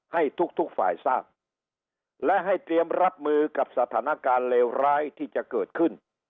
ให้ทุกฝ่ายทราบและให้เตรียมรับมือกับสถานการณ์เลวร้ายที่จะเกิดขึ้น